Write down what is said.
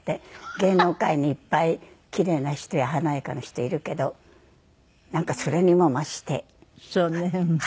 芸能界にいっぱいキレイな人や華やかな人いるけどなんかそれにも増して派手だなと思いました。